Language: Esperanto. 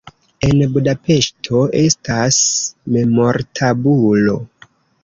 En Budapeŝto estas memortabulo.